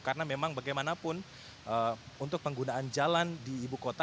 karena memang bagaimanapun untuk penggunaan jalan di ibu kota